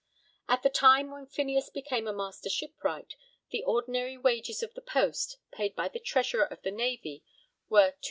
At the time when Phineas became a Master Shipwright, the ordinary wages of the post, paid by the Treasurer of the Navy, were 2_s.